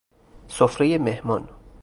سفره مهمان